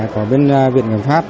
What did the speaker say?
của bên viện nghiêm pháp